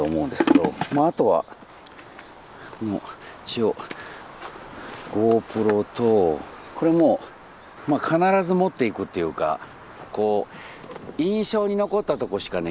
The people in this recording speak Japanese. あとはもう一応ＧｏＰｒｏとこれも必ず持っていくっていうか印象に残ったとこしかね